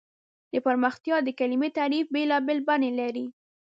د پرمختیا د کلیمې تعریف بېلابېل بڼې لري.